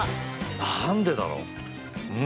何でだろう。